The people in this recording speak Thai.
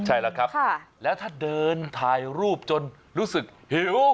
ใช่แล้วครับแล้วถ้าเดินถ่ายรูปจนรู้สึกหิว